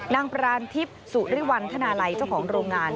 ปรานทิพย์สุริวัณธนาลัยเจ้าของโรงงาน